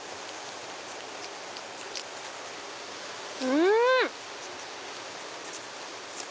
うん！